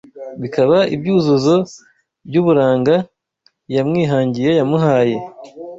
Bikaba ibyuzuzo by’ uburanga Iyamwihangiye yamuhaye